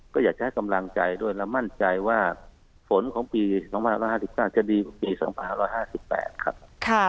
ก็อยากจะให้กำลังใจด้วยและมั่นใจว่าฝนของปี๒๕๕จะดีกว่าปี๒๕๕๘ครับ